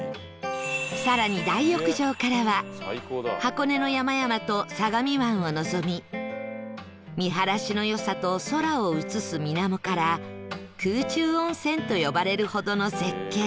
更に大浴場からは箱根の山々と相模湾を望み見晴らしの良さと空を映す水面から空中温泉と呼ばれるほどの絶景